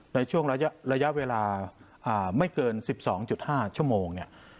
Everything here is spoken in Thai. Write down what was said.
ในช่วงระยะเวลาไม่เกิน๑๒๕ชั่วโมงเนี่ย